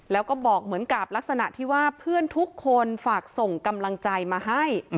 แล้วก็บอกเหมือนกับลักษณะที่ว่าเพื่อนทุกคนฝากส่งกำลังใจมาให้